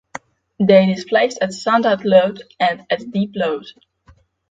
They displaced at standard load and at deep load.